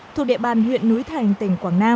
thuộc địa bàn huyện núi thành tỉnh quảng nam